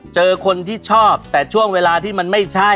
เจอคนที่ชอบแต่ช่วงเวลาที่มันไม่ใช่